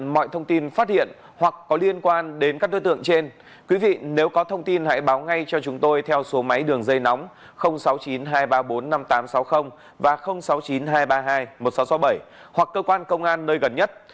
mọi thông tin phát hiện hoặc có liên quan đến các đối tượng trên quý vị nếu có thông tin hãy báo ngay cho chúng tôi theo số máy đường dây nóng sáu mươi chín hai trăm ba mươi bốn năm nghìn tám trăm sáu mươi và sáu mươi chín hai trăm ba mươi hai một nghìn sáu trăm sáu mươi bảy hoặc cơ quan công an nơi gần nhất